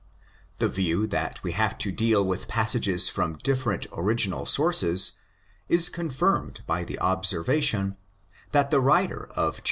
The view that we have to deal with passages from different original sources is confirmed by the observation that the writer of ii.